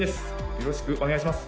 よろしくお願いします